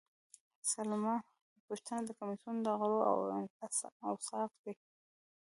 سلمه پوښتنه د کمیسیون د غړو اوصاف دي.